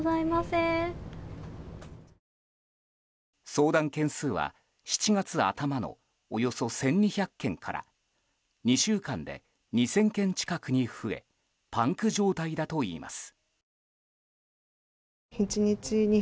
相談件数は７月頭のおよそ１２００件から２週間で２０００件近くに増えパンク状態だといいます。